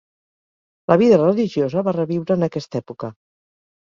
La vida religiosa va reviure en aquesta època.